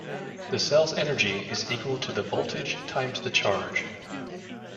The cell's energy is equal to the voltage times the charge.